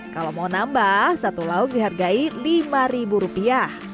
kalau mau nambah satu lauk dihargai lima rupiah